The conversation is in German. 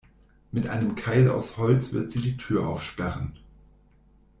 Mit einem Keil aus Holz wird sie die Tür aufsperren.